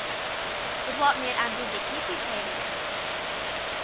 "But what made Aunt Izzie keep you, Katy?"